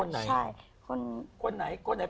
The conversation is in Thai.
คนไหนเป็นแฟนคลับ